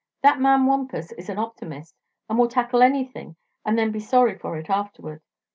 That man Wampus is an optimist, and will tackle anything and then be sorry for it afterward.